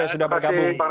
yang sudah bergabung